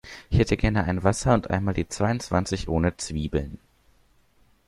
Ich hätte gern ein Wasser und einmal die zweiundzwanzig ohne Zwiebeln.